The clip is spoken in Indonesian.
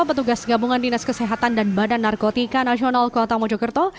petugas gabungan dinas kesehatan dan badan narkotika nasional kota mojokerto